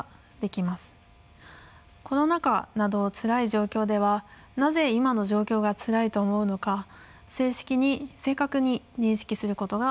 コロナ禍などつらい状況ではなぜ今の状況がつらいと思うのか正確に認識することが大切です。